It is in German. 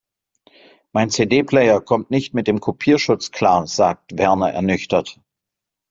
Mein CD-Player kommt nicht mit dem Kopierschutz klar, sagt Werner ernüchtert.